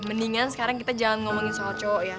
mendingan sekarang kita jangan ngomongin soal cowok ya